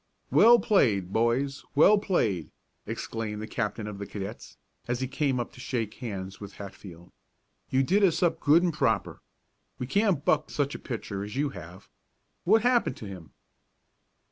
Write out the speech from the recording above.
"Well played, boys, well played!" exclaimed the captain of the cadets, as he came up to shake hands with Hatfield. "You did us up good and proper. We can't buck such a pitcher as you have. What happened to him!"